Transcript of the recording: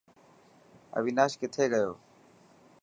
اويناش ڪٿي گيو.